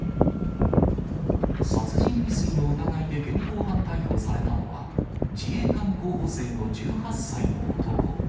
殺人未遂の疑いで現行犯逮捕されたのは、自衛官候補生の１８歳の男。